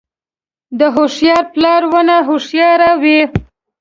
د هوښیار پلار لوڼه هوښیارې وي.